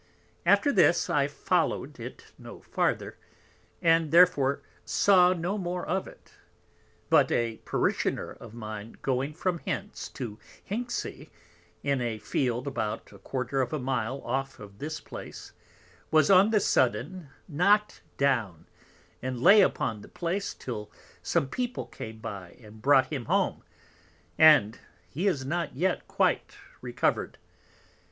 After this I followed it no farther, and therefore saw no more of it. But a Parishoner of mine going from hence to Hinksey, in a Field about a quarter of a Mile off of this Place, was on the sudden knock'd down, and lay upon the Place till some People came by and brought him home; and he is not yet quite recovered.